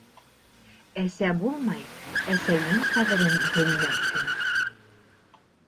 Әсә булмай әсәйең ҡәҙерен белмәҫһең.